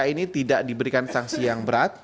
ini tidak diberikan sanksi yang berat